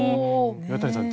岩谷さん